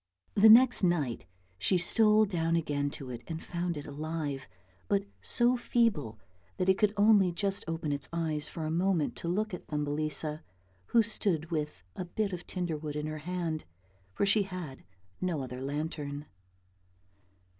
The next night she stole down again to it and found it alive, but so feeble that it could only just open its eyes for a moment to look at Thumbelisa who stood with a bit of tinder wood in her hand, for she had no other lantern.